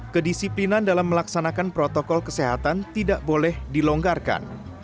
kedisiplinan dalam melaksanakan protokol kesehatan tidak boleh dilonggarkan